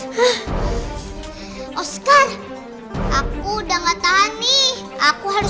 hah oscar aku udah enggak tahani aku harus